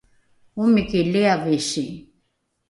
omiki liavisi